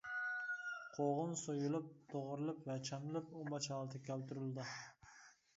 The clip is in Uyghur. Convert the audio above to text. قوغۇن سويۇلۇپ، توغرىلىپ ۋە چانىلىپ، ئۇماچ ھالىتىگە كەلتۈرۈلىدۇ.